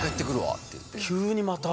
急にまた。